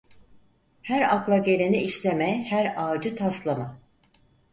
Her akla geleni işleme her ağacı taslama.